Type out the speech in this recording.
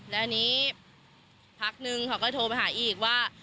แล้วอันนี้พักนึงเขาก็โทรไปหาอีกว่า